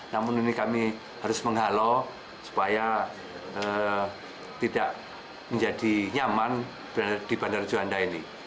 namun ini kami harus menghalau supaya tidak menjadi nyaman di bandara juanda ini